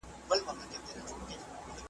انسان بايد هم کتاب او هم خپل چاپېريال ولولي.